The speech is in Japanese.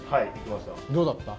どうだった？